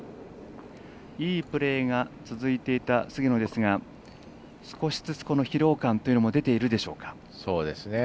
いいプレーが続いていた菅野ですが少しずつ、疲労感というのも出ているでしょうか。